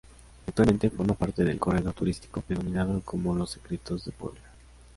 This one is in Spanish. Actualmente forma parte del corredor turístico denominado como "Los Secretos de Puebla".